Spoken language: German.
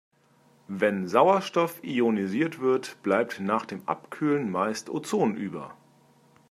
Wenn Sauerstoff ionisiert wird, bleibt nach dem Abkühlen meist Ozon über.